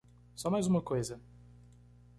Só mais uma coisa.